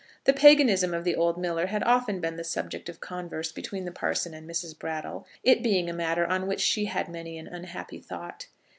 The paganism of the old miller had often been the subject of converse between the parson and Mrs. Brattle, it being a matter on which she had many an unhappy thought.